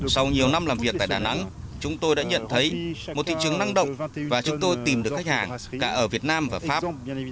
sau nhiều năm làm việc tại đà nẵng chúng tôi đã nhận thấy một thị trường năng động và chúng tôi tìm được khách hàng cả ở việt nam và pháp